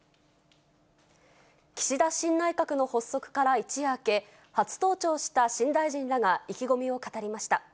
岸田新内閣の発足から一夜明け、初登庁した新大臣らが意気込みを語りました。